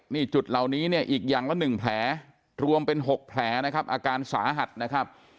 นี่จุดเหล่านี้เนี่ยอีกอย่างละ๑แผลรวมเป็น๖แผลนะครับอาการสาหัสนะครับ